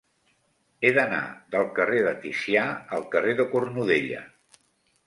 He d'anar del carrer de Ticià al carrer de Cornudella.